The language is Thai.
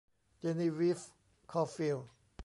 เจนีวีฟ คอล์ฟิลด์